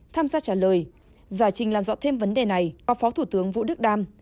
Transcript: tham gia trả lời giải trình làm rõ thêm vấn đề này có phó thủ tướng vũ đức đam